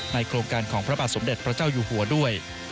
โครงการของพระบาทสมเด็จพระเจ้าอยู่หัวด้วย